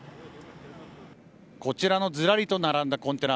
こちらのずらりと並んだコンテナ